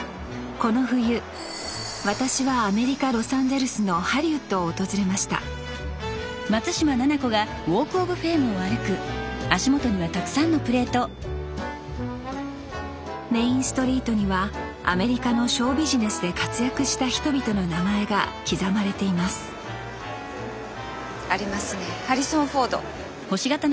この冬私はアメリカ・ロサンゼルスのハリウッドを訪れましたメインストリートにはアメリカのショービジネスで活躍した人々の名前が刻まれていますありますねハリソン・フォード。